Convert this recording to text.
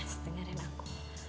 masih dengerin aku